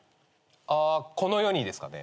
あこの世にですかね？